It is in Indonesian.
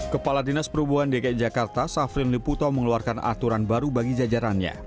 kepala dinas perhubungan dki jakarta safrin liputo mengeluarkan aturan baru bagi jajarannya